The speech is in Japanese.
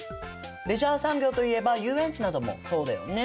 レジャー産業といえば遊園地などもそうだよね。